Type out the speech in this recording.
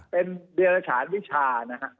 เป็นเดรจราษณ์วิชานะครับ